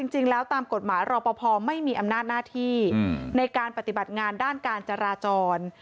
จริงแล้วตามกฎหมายรอปภไม่มีอำนาจหน้าที่ในการปฏิบัติงานด้านการจราจร